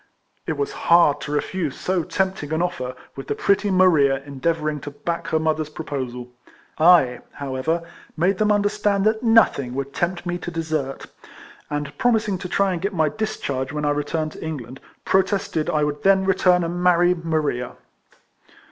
It was hard to refuse so tempting an offer, with the pretty Maria endeavouring to back her mother's proposal. I, however, made them understand that nothing would tempt me to desert ; and, promising to try and get my discharge when I returned to England, protested I would then return and marry Maria.